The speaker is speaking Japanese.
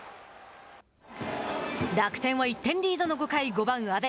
楽天は１点リードの５回５番阿部。